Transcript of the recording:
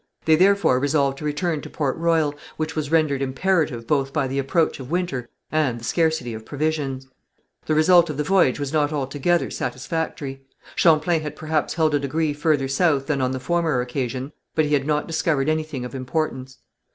They therefore resolved to return to Port Royal, which was rendered imperative both by the approach of winter and the scarcity of provisions. The result of the voyage was not altogether satisfactory. Champlain had perhaps held a degree further south than on the former occasion, but he had not discovered anything of importance.